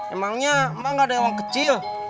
emangnya mbak gak ada yang kecil